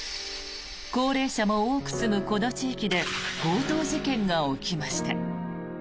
高齢者も多く住むこの地域で強盗事件が起きました。